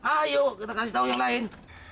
ayo kita kasih tahu yang lain